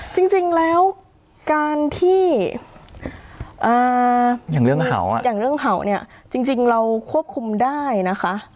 จริงแล้วการที่อย่างเรื่องเหาจริงเราควบคุมได้นะคะ